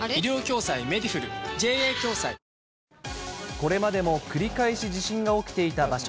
これまでも繰り返し地震が起きていた場所。